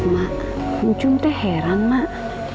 mak cuma aku heran mak